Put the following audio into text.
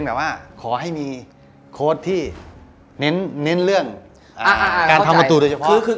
แบบว่าขอให้มีโค้ดที่เน้นเรื่องการทำประตูโดยเฉพาะ